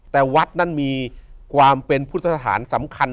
แต่วัดนั้นมีความเป็นพุทธสถานสำคัญ